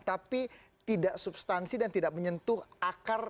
tapi tidak substansi dan tidak menyentuh akar